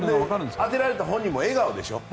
当てられた本人も笑顔でしょ。